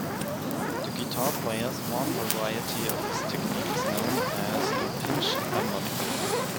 To guitar players, one variety of this technique is known as a pinch harmonic.